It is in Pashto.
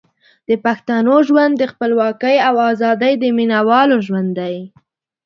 د پښتنو ژوند د خپلواکۍ او ازادۍ د مینوالو ژوند دی.